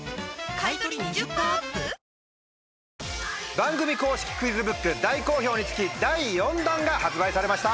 番組公式クイズブック大好評につき第４弾が発売されました。